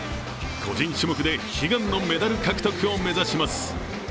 個人種目で悲願のメダル獲得を目指します。